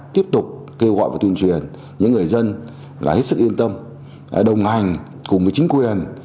tiếp tục kêu gọi và tuyên truyền những người dân là hết sức yên tâm đồng hành cùng với chính quyền